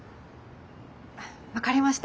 分かりました。